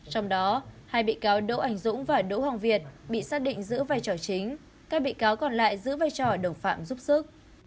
trong đó hai bị cáo đỗ ảnh dũng và đỗ hoàng việt bị xác định giữ vai trò chính các bị cáo còn lại giữ vai trò đồng phạm giúp sức